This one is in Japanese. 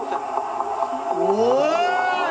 お！